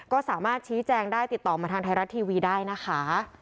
ก็สามารถชี้แจงได้ติดต่อมาทางไทยรัฐทีวีได้นะคะ